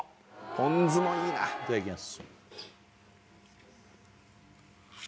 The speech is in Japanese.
ポン酢もいいないただきます